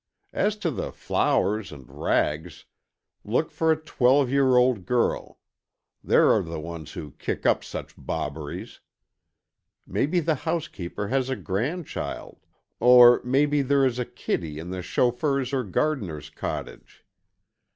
As to the flowers and rags, look for a twelve year old girl.... There are the ones who kick up such bobberies. Maybe the housekeeper has a grandchild, or maybe there is a kiddy in the chauffeur's or gardener's cottage.